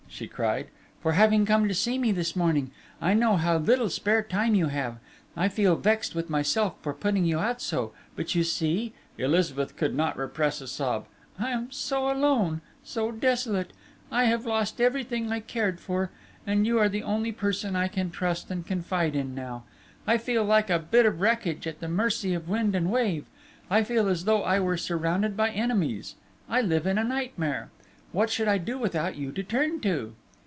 she cried, "for having come to see me this morning. I know how little spare time you have! I feel vexed with myself for putting you out so ... but you see" Elizabeth could not repress a sob "I am so alone ... so desolate ... I have lost everything I cared for ... and you are the only person I can trust and confide in now!... I feel like a bit of wreckage at the mercy of wind and wave; I feel as though I were surrounded by enemies: I live in a nightmare.... What should I do without you to turn to?..."